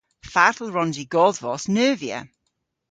Fatel wrons i godhvos neuvya?